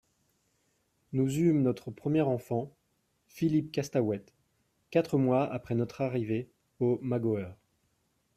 Nous eûmes notre premier enfant ; Philippe Costaouët, quatre mois après notre arrivée au Magoër.